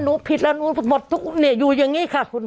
ผิดแล้วหนูหมดทุกเนี่ยอยู่อย่างนี้ค่ะคุณ